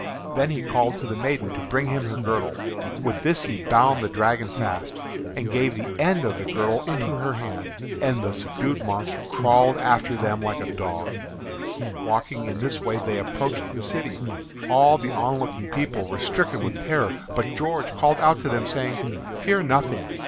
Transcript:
Then he called to the maiden to bring him her girdle. With this he bound the dragon fast, and gave the end of the girdle into her hand, and the subdued monster crawled after them like a dog. Walking in this way they approached the city. All the onlooking people were stricken with terror, but George called out to them saying, "Fear nothing.